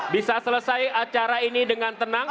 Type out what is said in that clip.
bisa selesai acara ini dengan tenang